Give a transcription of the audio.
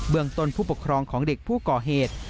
เมืองต้นผู้ปกครองของเด็กผู้ก่อเหตุ